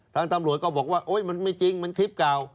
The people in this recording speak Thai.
ทางตำรวจก็บอกว่าโอ๊ยมันไม่จริงมันคลิปเก่า